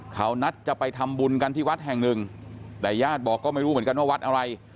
เขานัดจะไปทำบุญกันที่วัดแห่งหนึ่งแต่ญาติบอกก็ไม่รู้เหมือนกันว่าวัดอะไร